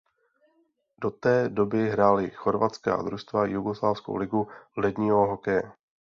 Do té doby hrály chorvatská družstva Jugoslávskou ligu ledního hokeje.